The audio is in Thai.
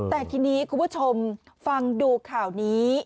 แต่ทีนี้คุณผู้ชมฟังดูข่าวนี้